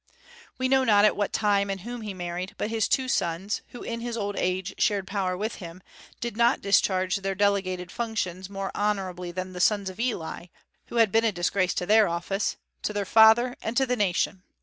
We know not at what time and whom he married; but his two sons, who in his old age shared power with him, did not discharge their delegated functions more honorably than the sons of Eli, who had been a disgrace to their office, to their father, and to the nation.